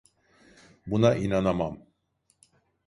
Buna inanamam.